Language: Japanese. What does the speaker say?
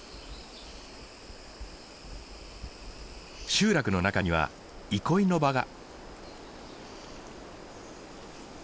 集落の中には憩いの場が。